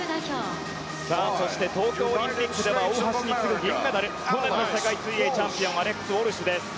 そして、東京オリンピックでは大橋に次ぐ銀メダル去年の世界水泳チャンピオンアレックス・ウォルシュです。